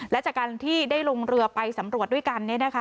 และจากการที่ได้ลงเรือไปสำรวจด้วยกัน